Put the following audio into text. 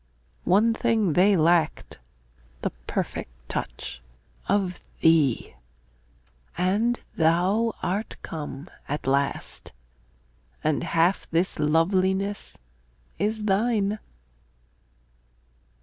One thing they lacked: the perfect touch Of thee and thou art come at last, And half this loveliness is thine.